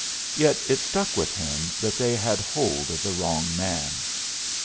Yet it stuck with him that they had hold of the wrong man.